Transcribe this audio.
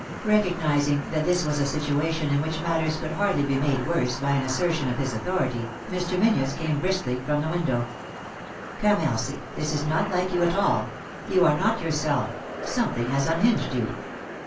Recognising that this was a situation in which matters could hardly be made worse by an assertion of his authority, Mr. Menzies came briskly from the window. " Come, Elsie, this is not like you at all ; you are not yourself; something has unhinged you.